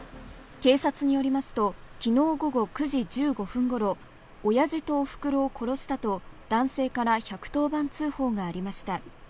警察によりますと、昨日午後９時１５分頃、おやじとおふくろを殺したと男性から１１０番通報がありました。